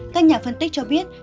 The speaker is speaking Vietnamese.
các nhà phân tích cho biết